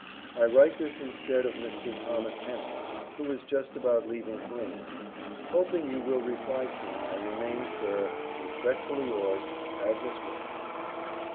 I write this instead of Mr. Thomas Henning, who is just about leaving for England. Hoping you will reply soon, I remain, sir, Respectfully yours, AGNES WILLIS.